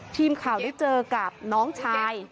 ทีมข่าวได้เจอกับน้องชาย